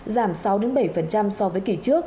giảm sáu bảy so với kỳ